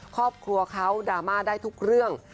ครอบครัวเขาดราม่าได้ทุกเรื่อง